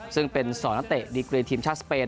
ซึ่งเป็น๒นักเตะดีกรีทีมชาติสเปน